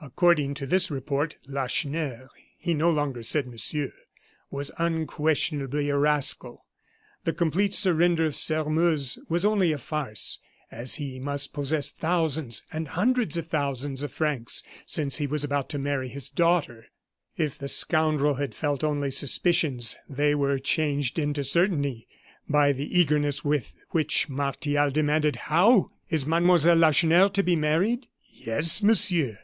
According to this report, Lacheneur he no longer said "monsieur" was unquestionably a rascal; the complete surrender of Sairmeuse was only a farce, as he must possess thousands, and hundreds of thousands of francs, since he was about to marry his daughter. If the scoundrel had felt only suspicions, they were changed into certainty by the eagerness with which Martial demanded: "How! is Mademoiselle Lacheneur to be married?" "Yes, Monsieur."